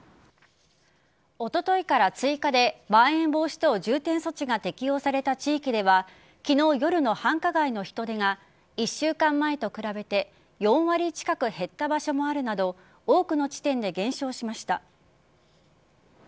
おとといから追加でまん延防止等重点措置が適用された地域では昨日夜の繁華街の人出は１週間前と比べて４割近く減った場所があるなど多くの地点で減少しました。